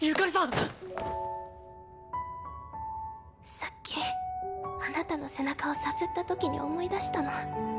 さっきあなたの背中をさすったときに思い出したの。